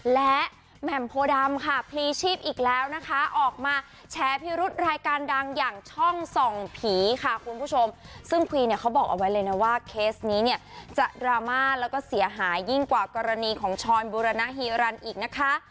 และแหม่มโพดำค่ะพลีชีพอีกแล้วนะคะออกมาแชร์พิรุษรายการดังอย่างช่องส่องผีค่ะคุณผู้ชมซึ่งพรีเนี่ยเขาบอกเอาไว้เลยนะว่าเคสนี้เนี่ยจะดราม่าแล้วก็เสียหายยิ่งกว่ากรณีของช้อนบุรณฮีรันอีกนะคะ